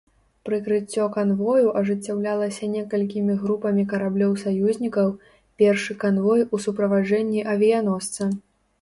Прыкрыццё канвою ажыццяўлялася некалькімі групамі караблёў саюзнікаў, першы канвой у суправаджэнні авіяносца.